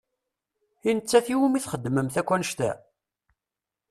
I nettat i wumi txedmemt akk annect-a?